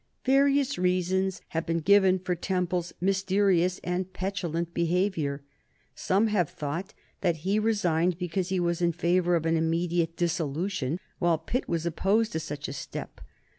Various reasons have been given for Temple's mysterious and petulant behavior. Some have thought that he resigned because he was in favor of an immediate dissolution, while Pitt was opposed to such a step.